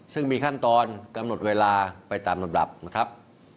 ซึ่งมีขั้นตอนกำหนดเวลาไปตามลำดับนะครับ